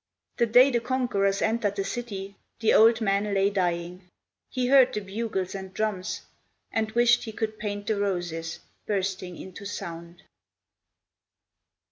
The day the conquerors Entered the city, The old man Lay dying. He heard the bugles and drums, And wished he could paint the roses Bursting into sound.